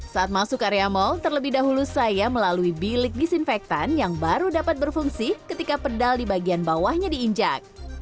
saat masuk area mal terlebih dahulu saya melalui bilik disinfektan yang baru dapat berfungsi ketika pedal di bagian bawahnya diinjak